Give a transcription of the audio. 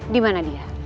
di mana dia